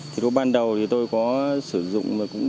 thì có ban đầu thì tôi cũng sử dụng súng mục đích là bắn chim